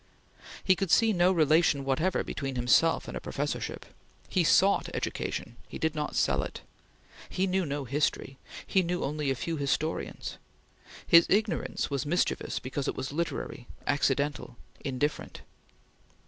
He could see no relation whatever between himself and a professorship. He sought education; he did not sell it. He knew no history; he knew only a few historians; his ignorance was mischievous because it was literary, accidental, indifferent.